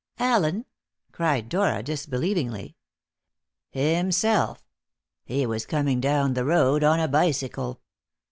"Allen?" cried Dora disbelievingly. "Himself. He was coming down the road on a bicycle."